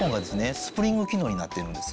スプリング機能になってるんです。